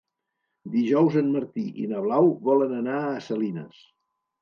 Dijous en Martí i na Blau volen anar a Salines.